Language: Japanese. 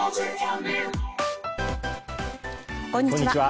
こんにちは。